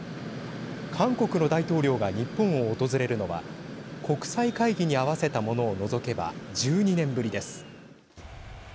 韓国の大統領が日本を訪れるのは国際会議に合わせたものを除けば１２年ぶりです。